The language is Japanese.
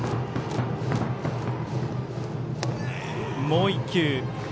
もう１球。